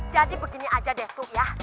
jadi begini aja deh tuh ya